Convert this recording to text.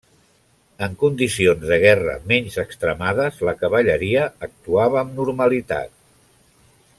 En condicions de guerra menys extremades la cavalleria actuava amb normalitat.